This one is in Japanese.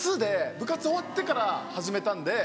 部活終わってから始めたんで。